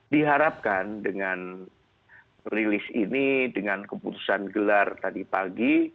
diharapkan dengan rilis ini dengan keputusan gelar tadi pagi